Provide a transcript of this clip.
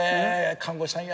看護師さん。